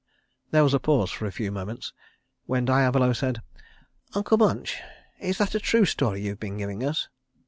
_] There was a pause for a few moments, when Diavolo said, "Uncle Munch, is that a true story you've been giving us?"